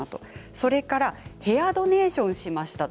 それからヘアドネーションしました。